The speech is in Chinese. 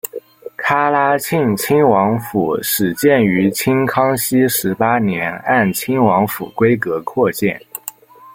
喀喇沁亲王府始建于清康熙十八年按亲王府规格扩建。